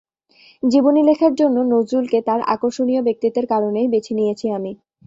জীবনী লেখার জন্য নজরুলকে তাঁর আকর্ষণীয় ব্যক্তিত্বের কারণেই বেছে নিয়েছি আমি।